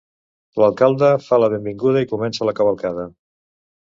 L'alcalde fa la benvinguda i comença la "cavalcada".